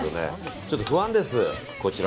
ちょっと不安です、こちら。